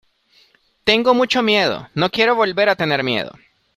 tengo mucho miedo. no quiero volver a tener miedo .